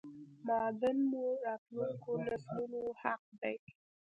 معادن مو راتلونکو نسلونو حق دی